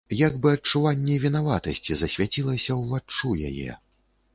Як бы адчуванне вінаватасці засвяцілася ўваччу яе.